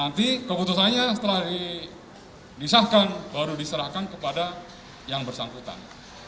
jadi keputusannya setelah disahkan baru diserahkan kepada yang bersangkutan